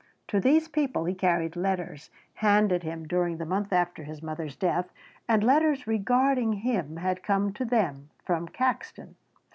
To these people he carried letters handed him during the month after his mother's death, and letters regarding him had come to them from Caxton.